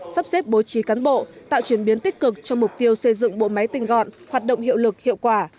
sắp xếp bố trí cán bộ tạo chuyển biến tích cực cho mục tiêu xây dựng bộ máy tinh gọn hoạt động hiệu lực hiệu quả